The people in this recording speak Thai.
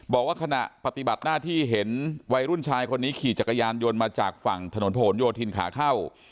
บอกว่าขณะปฏิบัติหน้าที่เห็นวัยรุ่นชายคนนี้ขี่จักรยานยนต์มาจากฝั่งถนนผนโยธินขาเข้า